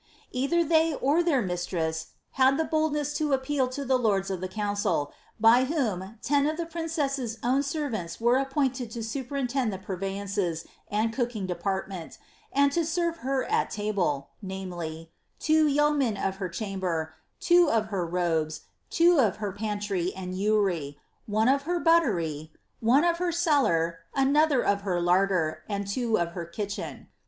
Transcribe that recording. '*' Either they, or their mistress, had the boldness to appeal to the lords of the conncil, by whom ten of the princess's own servants were appointed to snperintend the purveyances and cooking department, and to serve at her tabl^— namely, two yeomen of her chamber, two of her robes, two of her pantry and ewry, one of her buttery, one of her cellar, another of her larder, and two of her kitchen.